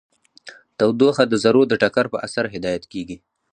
تودوخه د ذرو د ټکر په اثر هدایت کیږي.